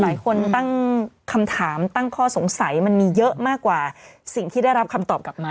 หลายคนตั้งคำถามตั้งข้อสงสัยมันมีเยอะมากกว่าสิ่งที่ได้รับคำตอบกลับมา